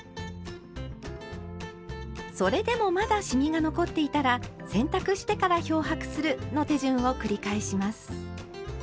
それでもまだシミが残っていたら「洗濯してから漂白する」の手順を繰り返します。